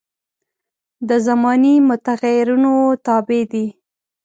دا زماني متغیرونو تابع دي.